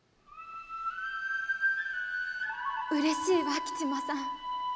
うれしいわ吉間さん。